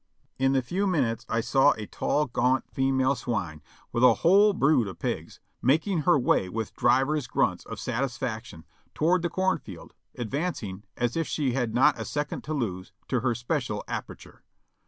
In the few minutes I saw a tall, gaunt CROSSING THE POTOMAC ON A RAI^T 47/ female swine, with a whole brood of pigs, making her way with divers grunts of satisfaction toward the corn field, advancing, as if she had not a second to lose, to her special aperture.